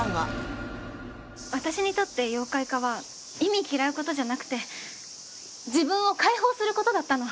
私にとって妖怪化は忌み嫌う事じゃなくて自分を解放する事だったの。